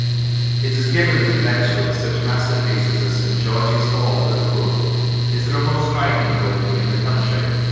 It has given us eventually such masterpieces as St. George's Hall, Liverpool (is there a more striking building in the country